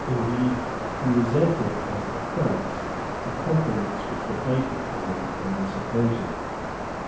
Indeed, he resented as affronts the compliments which were paid him on this occasion.